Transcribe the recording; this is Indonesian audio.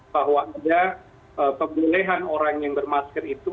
bahwa tidak pemulihan orang yang bermasker itu